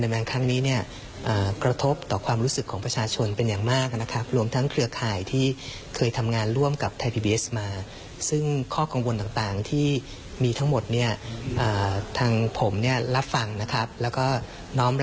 ในการตัดสินใจในการดำเนินการ